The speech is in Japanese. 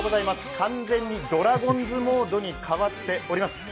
完全にドラゴンズモ−ドに変わっております。